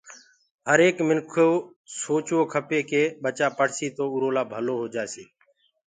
هر ايڪ منکِو سوچوو کپي ڪي ٻچآ پڙهسي تو اُرو لآ ڀلو هو جآسي